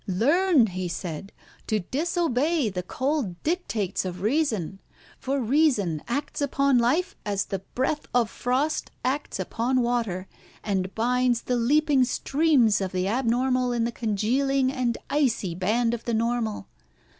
"Learn," he said, "to disobey the cold dictates of reason; for reason acts upon life as the breath of frost acts upon water, and binds the leaping streams of the abnormal in the congealing and icy band of the normal.